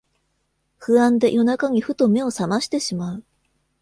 不安で夜中にふと目をさましてしまう